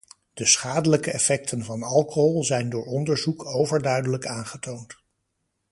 De schadelijke effecten van alcohol zijn door onderzoek overduidelijk aangetoond.